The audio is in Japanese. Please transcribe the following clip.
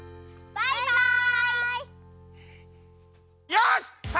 バイバイ。